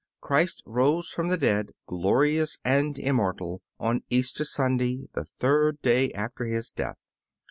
Christ rose from the dead, glorious and immortal, on Easter Sunday, the third day after His death.